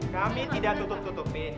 kami tidak tutup tutupin